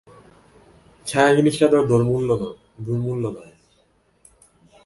ছায়া জিনিসটা তো দুর্মূল্য নয়।